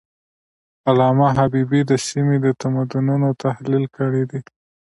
علامه حبيبي د سیمې د تمدنونو تحلیل کړی دی.